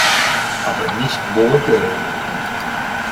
Aber nicht mogeln!